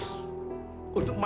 untuk masuk ke dalamnya